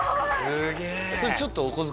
すげえ！